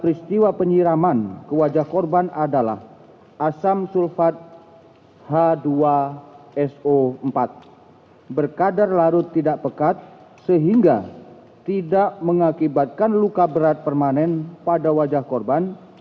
peristiwa penyiraman ke wajah korban adalah asam sulfat h dua so empat berkadar larut tidak pekat sehingga tidak mengakibatkan luka berat permanen pada wajah korban